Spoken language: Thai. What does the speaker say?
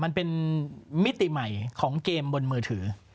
มันเป็นมิติใหม่ของเกมบนมือถือ